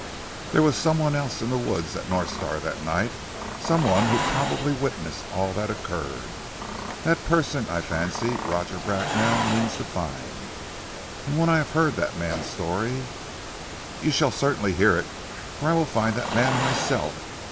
There was some one else in the woods at North Star that night, some one who probably witnessed all that occurred. That person, I fancy, Roger Bracknell means to find. And when I have heard that man's story " "You shall certainly hear it, for I will find that man myself.